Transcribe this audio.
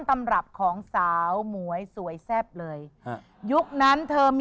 ชุดลายเสือของคุณ